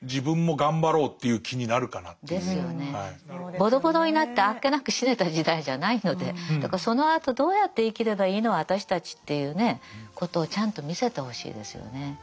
ボロボロになってあっけなく死ねた時代じゃないのでそのあとどうやって生きればいいの私たちっていうねことをちゃんと見せてほしいですよね。